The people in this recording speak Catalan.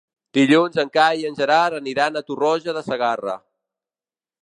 Dilluns en Cai i en Gerard aniran a Tarroja de Segarra.